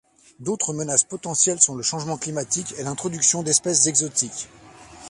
D'autre menaces potentielles sont le changement climatique et l'introduction d'espèces exotiques.